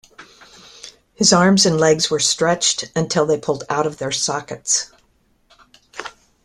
His arms and legs were stretched until they pulled out of their sockets.